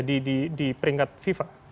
di peringkat fifa